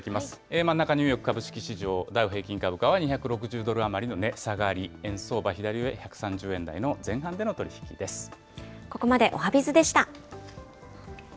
真ん中、ニューヨーク株式市場、ダウ平均株価は２６０ドル余りの値下がり、円相場、左上、１３０ここまでおはＢｉｚでした。